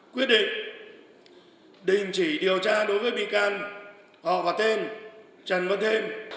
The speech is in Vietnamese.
quyết định đình chỉ điều tra đối với bị can họ và tên trần văn thêm